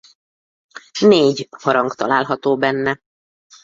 Négy harang található benne.